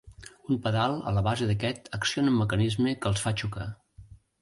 Un pedal a la base d'aquest acciona un mecanisme que els fa xocar.